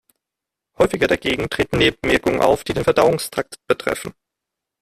Häufiger dagegen treten Nebenwirkungen auf, die den Verdauungstrakt betreffen.